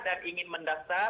dan ingin mendaftar